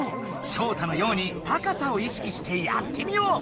ショウタのように高さを意識してやってみよう！